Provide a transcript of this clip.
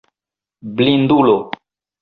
Blindulo!